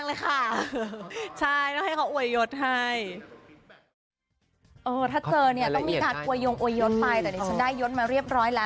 ไอ้เจ๊กยังปังเลยค่ะ